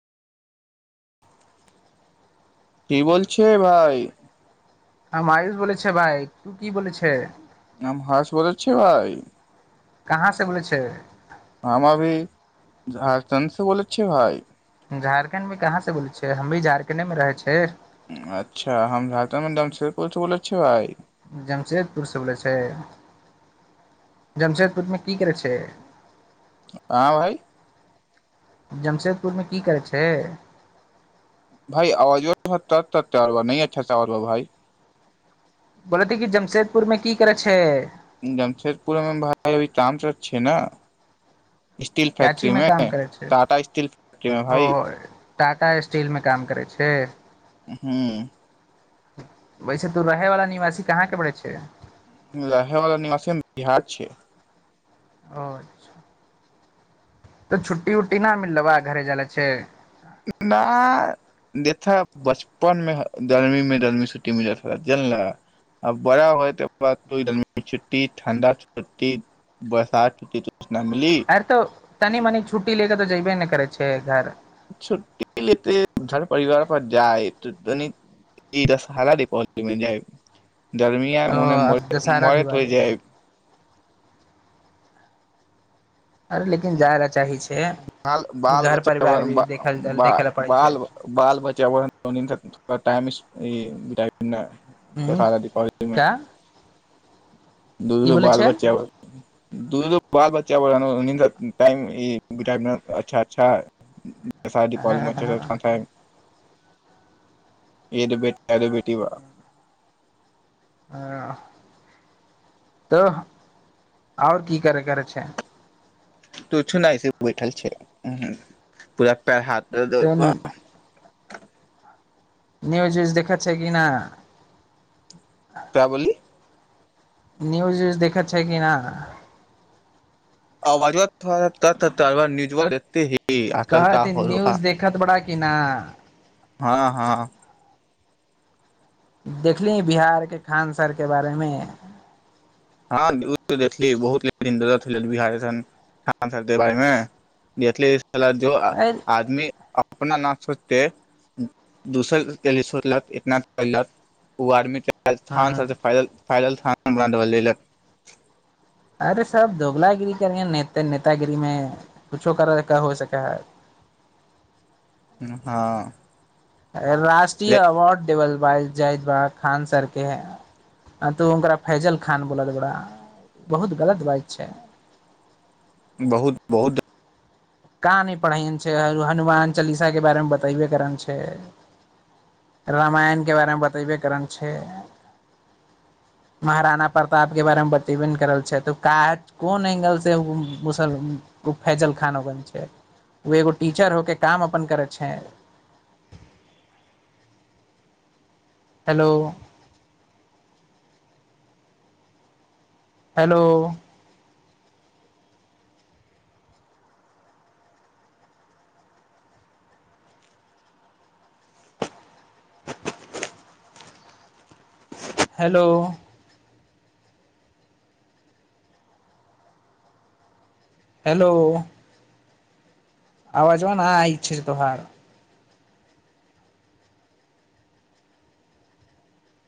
की बोलछे भाइ हम आयूष बोलै बोलैइछियो भाई हर्ष बोलैछीयो भाई कहाँसे बोलै छै हम अभी झारखंड से बोलै छियो भाई झारखण्ड मे कहाँसँ बोलै छियै हम भी झारखण्डेमे रहै छियै अच्छा हम झता मैड से बोलय छियौ भाइ जमशेदपुरसँ बोलै छै जमशेदपुरमे की करै छै आहां भाई जमशेदपुरमे की करै छै भाय आवाज तत नै अच्छा सँ आवाज आर भाइ बोलती कि जमशेदपुर मे की करै छै जमशेदपुरमे भाय अभी तामच छै ने स्टील फैक्ट्री काचीमे मे काम करै छै टाटा स्टील फैक्ट्री मे ओ भाई टाटा स्टीलमे काम करै छै हूँ वैसे तू रहे वाला निवासी कहाँ के पड़ै छै यह बला निवासी बिहार छै अच्छा तऽ छुट्टी उट्टी न मिललौ ह घरे जाय लेल छै न देथ बचपन में गर्मीं गर्मी छुट्टी मिल जाताा जनल अब बड़ा होए त बात तोलमे ती ठण्डा छुट्टी बरसात छुट आर तऽ तनि मनी छुट्टी लेके तऽ जयबै ने करै छै घर छुटटी लर परवारप जाइ त तनी ई हाल द प जा गर्मिये ओ मने म आब दशहरा मरत हो दिवाली जाइ अरे लेकिन जाय लए चाही छै बाल घर बच्च परिवार भी देखल देखे लए पड़ै छै बाल बच्चा टाइम ई ब उ देखा दय छी कॉलेजमे क्या की दूदो बोलै बाल छै बच्चा दूदो बाल बच् क्या बोला टाम ई अच्छा अच्छा जे शादी पॉलीमोच्छेसँ नुकसान छय एद बे अरे बेटीबा ह तऽ आओर की करय करै छै तुछ नहि सिर्फ बैठल छिअइ पूरा पैर हाथ ए तऽ त न्यूज उज देखछियै छै कि न क्या बोली न्यूज इयुज देखैय छै कि ना आवाजबा थोड़ा सा कट कट के आब छ न्यूजबा देखते ही आतलता कहते न्यूज होलबा देखत तऽ बड़ा इना हँ हँ देखली बिहार के खान सरके बारे मे हँ देखी बहुत बिहार देखी खान सर के बारेमे साला जो अ आदमी अपना अपना न सोचते दोसर के लि सोचलक इतना कैलक ओ आदमी के ह थान सभ जे पैदल पैदल स्थान ल लेलक अरे सब दोगलागिरी करे नेता नेतागिरी में कुछो कर क हो सकैय हय हँ राष्ट्रीय ले अवार्ड देवल ब जाज बा खान सरकेै आ तू ओकरा फैजल खान बोल लगल बहुत गलत बात छै बहुत बहुत का नय हनुमान चालीसा के बारे मे बतेबे कर छै रामायण के बारे मे बतेबे कर छै महारणा प्रताप के बारे बतेबे ने कर छै त क कोन एंगल से मुसल ओ फैजल खान वो एगो टीचर होके काम अपन करै छैे हेलो हेलो हेलो हेलो आवाजवा नाई आईइछ तोहार